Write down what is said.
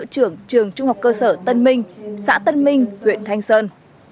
trưởng trường trung học cơ sở tân minh xã tân minh huyện thanh sơn